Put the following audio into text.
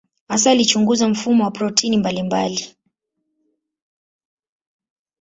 Hasa alichunguza mfumo wa protini mbalimbali.